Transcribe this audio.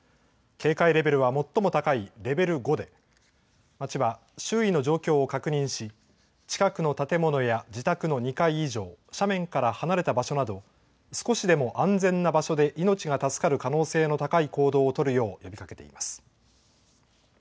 警戒レベルは最も高いレベル５で町は周囲の状況を確認し近くの建物や自宅の２階以上、斜面から離れた場所など少しでも安全な場所で命が助かる可能性の高い行動を取るよう呼びかけています。